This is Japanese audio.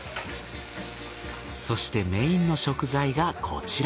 そしてメインの食材がこちら。